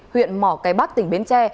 huyện mỏ cái bắc tỉnh bến tre